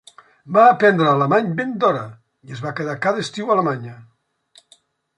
Va aprendre alemany ben d'hora, i es va quedar cada estiu a Alemanya.